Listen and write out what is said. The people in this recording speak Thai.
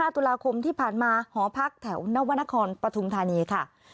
ตุลาคมที่ผ่านมาหอพักแถวนวรรณครปฐุมธานีค่ะ